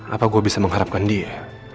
apa gue bisa mengharapkan dia